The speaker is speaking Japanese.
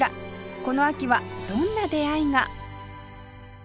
この秋はどんな出会いが？